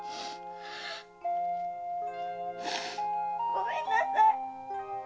ごめんなさい。